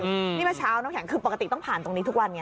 นี่เมื่อเช้าน้ำแข็งคือปกติต้องผ่านตรงนี้ทุกวันไง